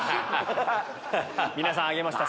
皆さん挙げました！